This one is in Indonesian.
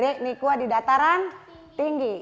ini di dataran tinggi